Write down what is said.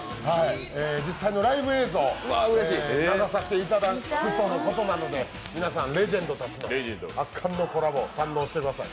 実際のライブ映像、流させていただくとのことなので、皆さんレジェンドたちの圧巻のコラボ堪能してください。